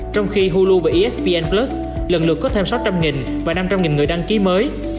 trong khi hollu và esplus lần lượt có thêm sáu trăm linh và năm trăm linh người đăng ký mới